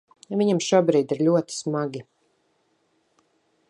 Viņam šobrīd ir ļoti smagi.